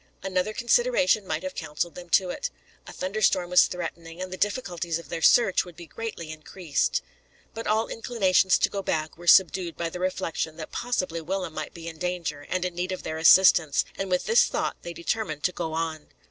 Another consideration might have counselled them to it. A thunder storm was threatening, and the difficulties of their search would be greatly increased. But all inclinations to go back were subdued by the reflection that possibly Willem might be in danger, and in need of their assistance, and with this thought they determined to go on.